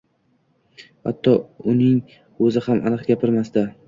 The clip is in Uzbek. Hatto uning oʻzi ham aniq gapirmasdi.